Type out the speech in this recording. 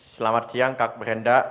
selamat siang kak brenda